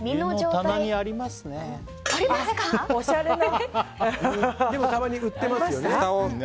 たまに売ってますよね。